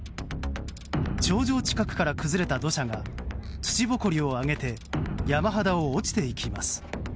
頂上近くから崩れた土砂が土ぼこりを上げて山肌を落ちていきます。